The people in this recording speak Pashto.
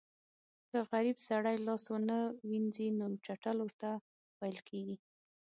که غریب سړی لاس ونه وینځي نو چټل ورته ویل کېږي.